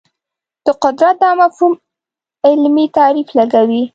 د قدرت دا مفهوم علمي تعریف لګوي